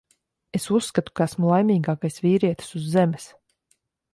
Es uzskatu, ka esmu laimīgākais vīrietis uz Zemes.